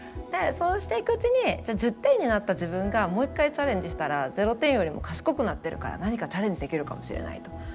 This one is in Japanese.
そうしていくうちに１０点になった自分がもう一回チャレンジしたらゼロ点よりも賢くなってるから何かチャレンジできるかもしれないと。